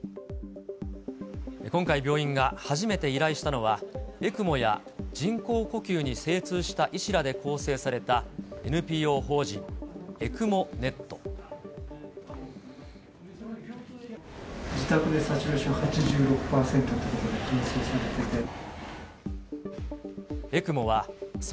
今回、病院が初めて依頼したのは、ＥＣＭＯや人工呼吸に精通した医師らで構成されたＮＰＯ法人ＥＣＭＯｎｅｔ。